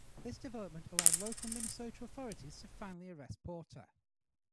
This development allowed local Minnesota authorities to finally arrest Porter.